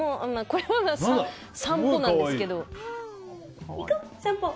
これは散歩なんですけど。